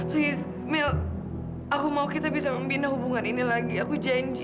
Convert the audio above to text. mil aku mau kita bisa membina hubungan ini lagi aku janji